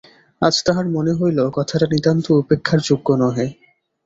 আজ তাহার মনে হইল, কথাটা নিতান্ত উপেক্ষার যোগ্য নহে।